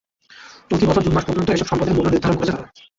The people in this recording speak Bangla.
চলতি বছরের জুন মাস পর্যন্ত এসব সম্পদের মূল্য নির্ধারণ করেছে তারা।